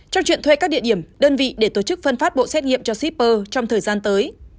cho chuyện thuê các địa điểm đơn vị để tổ chức phân phát bộ xét nghiệm cho shipper trong thời gian tới